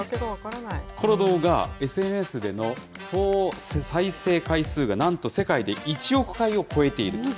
この動画、ＳＮＳでの総再生回数が、なんと世界で１億回を超えていると。